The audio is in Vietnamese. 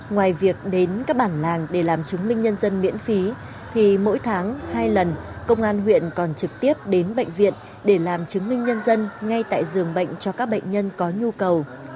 ngoài việc đến các bản làng để làm chứng minh nhân dân miễn phí thì mỗi tháng hai lần công an huyện còn trực tiếp đến bệnh viện để làm chứng minh nhân dân ngay tại giường bệnh cho các bệnh nhân có nhu cầu